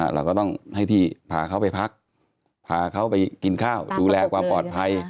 เราก็ต้องให้ที่พาเขาไปพักพาเขาไปกินข้าวดูแลความปลอดภัย